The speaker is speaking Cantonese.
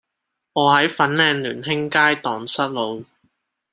我喺粉嶺聯興街盪失路